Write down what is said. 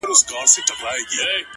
• ستا د تورو سترگو اوښکي به پر پاسم،